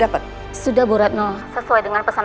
abi juga kangen disuapin tante